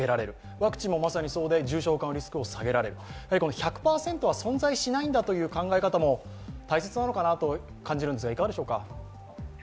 ワクチンもまさにそうで、重症化のリスクを下げられる１００％は存在しないんだという考え方も大切なのかなと感じるんですが、いかがでしょうか。